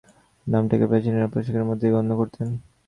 নামটাকে প্রাচীনেরা পোশাকের মধ্যেই গণ্য করতেন।